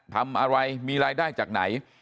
ทำอะไรมีรายได้จากไหน